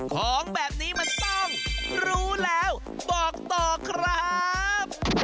ของแบบนี้มันต้องรู้แล้วบอกต่อครับ